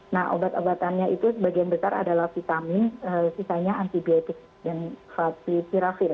nah obat obatannya itu sebagian besar adalah vitamin sisanya antibiotik dan fatipiravir